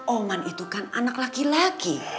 oman itu kan anak laki laki